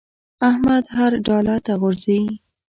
احمد هر ډاله ته غورځي.